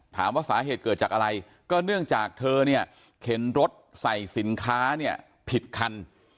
ถามว่าสาเหตุเกิดจากอะไรก็เนื่องจากเธอเนี่ยเข็นรถใส่สินค้าเนี่ยผิดคัน